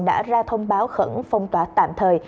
đã ra thông báo khẩn phong tỏa tạm thời